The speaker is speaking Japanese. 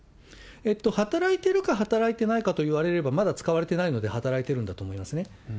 働いてるか働いてないかといわれれば、まだ使われてないので、働いてるんだと思いますね。